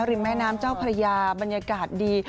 ริมแม่น้ำเจ้าพระยาบรรยากาศดี